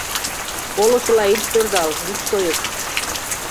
Колышыла ит пӧрдал, ит шойышт...